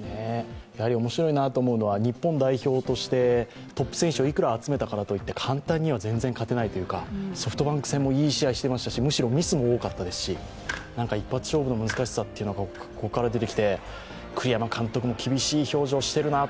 面白いなと思うのは、日本代表としてトップ選手をいくら集めたからといって簡単には全然勝てないというかソフトバンク戦もいい試合していましたし、むしろミスも多かったですし、一発勝負の難しさが出てきて、栗山監督も厳しい表情しているなと。